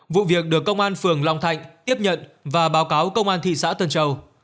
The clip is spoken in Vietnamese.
vụ việc được công an phường long thạnh tiếp nhận và báo cáo công an thị xã tân châu